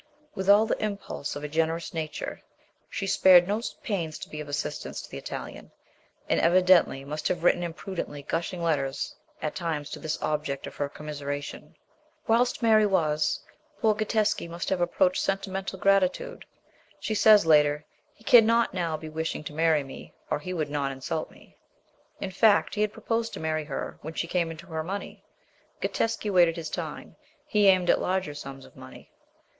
With all the impulse of a generous nature, she spared no pains to be of assistance to the Italian, and evidently must have written imprudently gushing letters at times to this object of her commise ration. Whilst Mary was poor Gatteschi must have approached sentimental gratitude; she says later, " He cannot now be wishing to marry me, or he would not insult me." In fact he had proposed to marry her when she came into her money. Gatteschi waited his time, he aimed at larger sums of money.